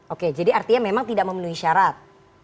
oke jadi artinya memang tidak memenuhi syarat